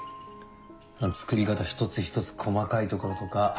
作り方一つ一つ細かいところとか。